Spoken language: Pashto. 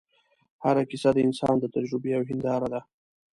هره کیسه د انسان د تجربې یوه هنداره ده.